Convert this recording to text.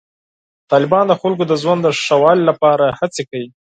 طالبان د خلکو د ژوند د ښه والي لپاره هڅې کوي.